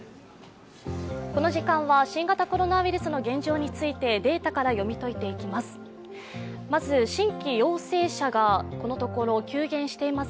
この時間は新型コロナウイルスの現状についてデータから読み解いていきます。